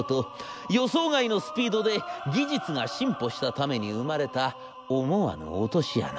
予想外のスピードで技術が進歩したために生まれた思わぬ落とし穴。